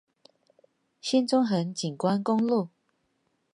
新中橫景觀公路